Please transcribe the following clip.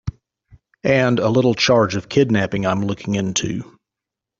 And a little charge of kidnapping I'm looking into.